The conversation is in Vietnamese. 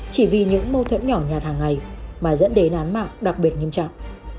chỉ vì những mâu thuẫn nhỏ nhạt hàng ngày mà dẫn đến án mạng đặc biệt nghiêm trọng